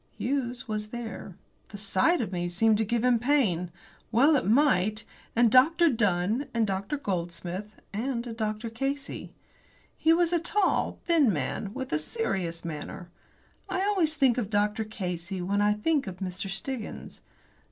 Hughes was there the sight of me seemed to give him pain well it might! and Dr. Dunn, and Dr. Goldsmith, and a Dr. Casey. He was a tall, thin man, with a serious manner. I always think of Dr. Casey when I think of Mr. Stiggins.